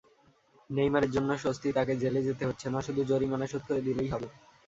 নেইমারের জন্য স্বস্তি—তাঁকে জেলে যেতে হচ্ছে না, শুধু জরিমানা শোধ করে দিলেই হবে।